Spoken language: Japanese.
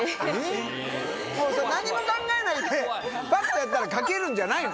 何も考えないでパッとやったら書けるんじゃないの？